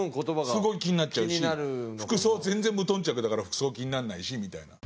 すごい気になっちゃうし服装は全然無頓着だから服装は気にならないしみたいな。